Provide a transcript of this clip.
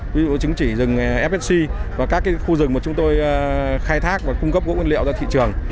ví dụ chứng chỉ rừng fsc và các khu rừng mà chúng tôi khai thác và cung cấp gỗ nguyên liệu ra thị trường